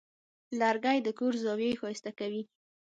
لرګی د کور زاویې ښایسته کوي.